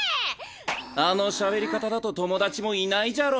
あのしゃべり方だと友達もいないじゃろ。